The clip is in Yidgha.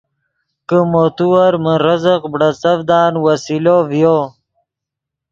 کہ مو تیور من رزق بڑیڅڤدان وسیلو ڤیو